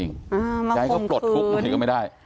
อยากให้เขาปลดทุกข์ไม่ได้